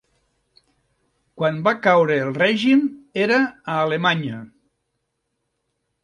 Quan va caure el règim era a Alemanya.